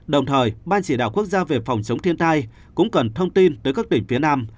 đồng thời ban chỉ đạo quốc gia về phòng chống thiên tai cũng cần thông tin tới các tỉnh phía nam